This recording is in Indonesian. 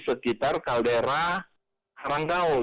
sekitar kaldera haranggaul